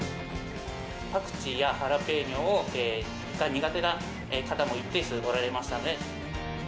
パクチーやハラペーニョが苦手な方も一定数おられましたので。